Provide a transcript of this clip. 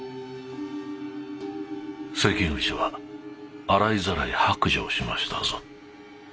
関口は洗いざらい白状しましたぞ。